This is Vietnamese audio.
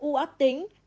u ác tính